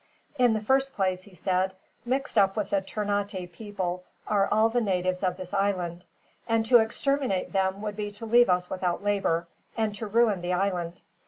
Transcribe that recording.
"In the first place," he said, "mixed up with the Ternate people are all the natives of this island, and to exterminate them would be to leave us without labor, and to ruin the island.